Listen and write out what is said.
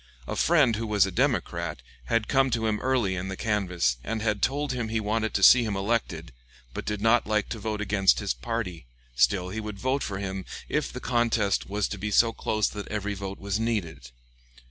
A friend, who was a Democrat, had come to him early in the canvass and had told him he wanted to see him elected, but did not like to vote against his party; still he would vote for him, if the contest was to be so close that every vote was needed.